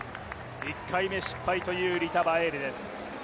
１回目失敗というリタ・バエーレです。